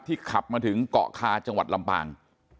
ขับมาถึงเกาะคาจังหวัดลำปาง